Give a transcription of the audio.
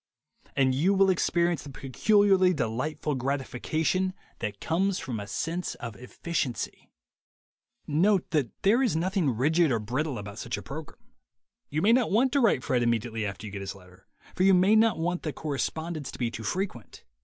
And you will experience the peculiarly delightful gratification that comes from a sense of efficiency. THE WAY TO WILL POWER 123 Note that there is nothing rigid or brittle about such a program. You may not want to write Fred immediately after you get his letter, for you may not want the correspondence to be too frequent.